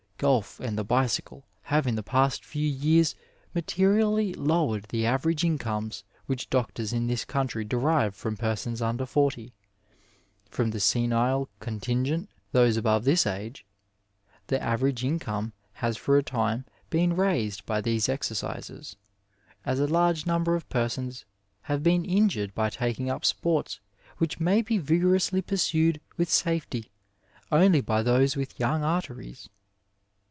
Qolf and the bicycle have in the past few years materially lowered the average incomes which doctors in this country derive from persons under forty. From the senile contingent — ^those above this age — ^the average income has for a time been raised by these exercises, as a large number of persons have been injured by taking up sports which may be vigorously pursued with safety only by those with young arteries.